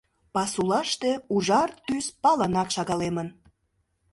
Пасулаште ужар тӱс палынак шагалемын.